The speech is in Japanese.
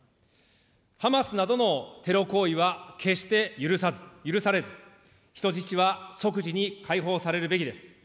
ハマスなどのテロ行為は決して許さず、許されず、人質は即時に解放されるべきです。